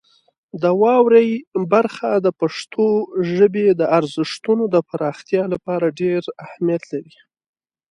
د واورئ برخه د پښتو ژبې د ارزښتونو د پراختیا لپاره ډېر اهمیت لري.